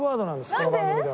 この番組では。